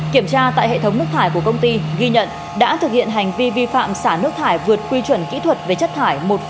kiểm tra tại hệ thống nước thải của công ty ghi nhận đã thực hiện hành vi vi phạm xả nước thải vượt quy chuẩn kỹ thuật về chất thải